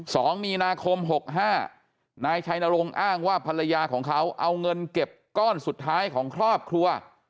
สองมีนาคมหกห้านายชัยนรงค์อ้างว่าภรรยาของเขาเอาเงินเก็บก้อนสุดท้ายของครอบครัว